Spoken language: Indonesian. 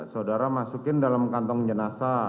saudara masukin dalam kantong jenazah